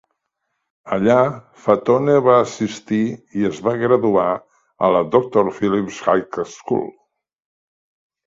Allà, Fatone va assistir i es va graduar a la Doctor Phillips High School.